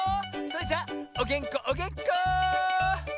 それじゃおげんこおげんこ！